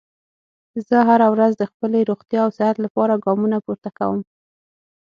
زه هره ورځ د خپلې روغتیا او صحت لپاره ګامونه پورته کوم